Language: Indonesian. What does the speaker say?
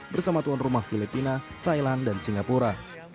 bersama tuan rumah filipina thailand dan singapura